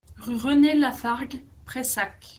Rue René Lafargue, Prayssac